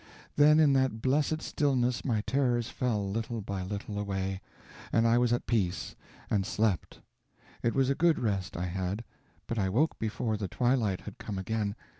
Then in that blessed stillness my terrors fell little by little away, and I was at peace and slept. It was a good rest I had, but I woke before the twilight had come again.